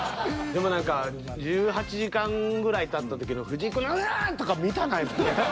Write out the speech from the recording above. でも何か１８時間ぐらいたった時の藤井くんのああっ！とか見たないもんね。